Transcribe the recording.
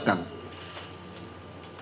dan sudah dipersiapkan